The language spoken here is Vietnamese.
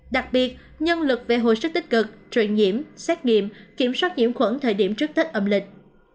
đặc biệt nhân lực về hồi sức tích cực truyền nhiễm xét nghiệm kiểm soát nhiễm khuẩn thời điểm trước tết âm lịch